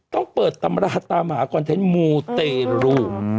ต้องเปิดตามรหัสตามหากวันเท้นมูเตรลู